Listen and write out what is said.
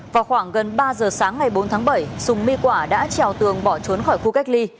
vào khoảng gần ba giờ sáng ngày bốn tháng bảy sùng my quả đã trèo tường bỏ trốn khỏi khu cách ly